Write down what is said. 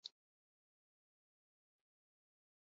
Gipuzkeraren barne dagoen Bidasoako hizkera da Pasaian kokatzen dena.